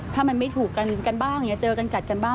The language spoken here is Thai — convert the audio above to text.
ถ้ามันไม่ถูกกันบ้างเจอกันกัดกันบ้าง